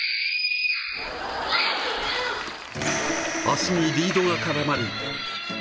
足にリードが絡まり。